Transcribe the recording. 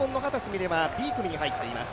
美鈴はＢ組に入っています。